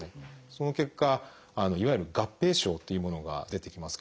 その結果いわゆる合併症というものが出てきますけど。